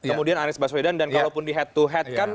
kemudian anies baswedan dan kalaupun di head to head kan